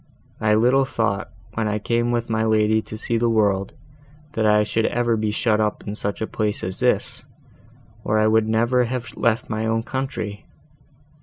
I little thought, when I came with my lady to see the world, that I should ever be shut up in such a place as this, or I would never have left my own country!